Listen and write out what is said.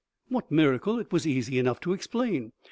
" What miracle, it was easy enough to explain.